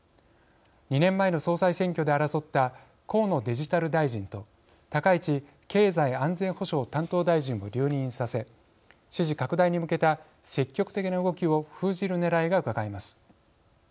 ２年前の総裁選挙で争った河野デジタル大臣と高市経済安全保障担当大臣を留任させ支持拡大に向けた積極的な動きを封じるねらいがうかがえます。